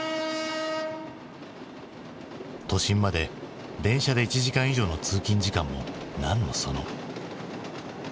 都心まで電車で１時間以上の通勤時間もなんのその。